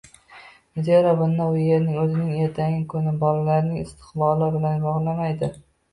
Zero, bunda u yerni o‘zining ertangi kuni, bolalarining istiqboli bilan bog‘lamaydi.